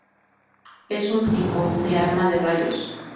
Es un tipo de arma de rayos.